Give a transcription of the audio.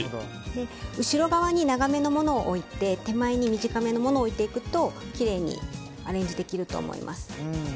後ろ側に長めのものを置いて手前に短めのものを置いていくときれいにアレンジできると思います。